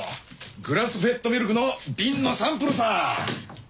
グラスフェッドミルクの瓶のサンプルさ。